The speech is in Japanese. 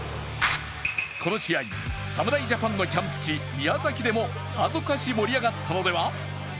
この試合、侍ジャパンのキャンプ地・宮崎でもさぞかし盛り上がったのでは？